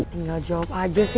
tinggal jawab aja sih